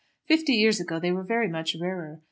Fifty years ago they were very much rarer.